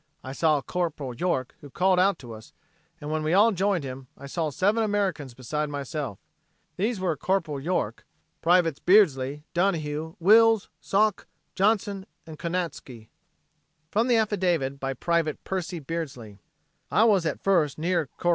I saw Corporal York, who called out to us, and when we all joined him, I saw seven Americans beside myself. These were Corp. York, Privates Beardsley, Donohue, Wills, Sok, Johnson and Konatski." From the affidavit by Private Percy Beardsley: "I was at first near Corp.